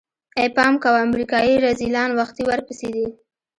ای پام کوه امريکايي رذيلان وختي ورپسې دي.